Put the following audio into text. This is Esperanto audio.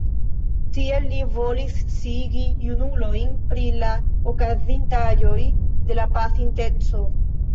Tiel li volis sciigi junulojn pri la okazintaĵoj de la pasinteco.